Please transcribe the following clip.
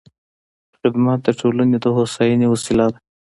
خدمت د ټولنې د هوساینې وسیله ده.